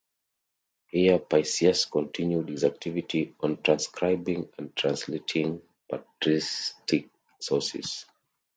Here Paisius continued his activity on transcribing and translating patristic sources.